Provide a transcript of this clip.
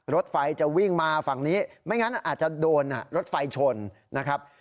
รถไฟจะวิ่งมาฝั่งนี้ไม่งั้นอาจจะโดนรถไฟชนนะครับ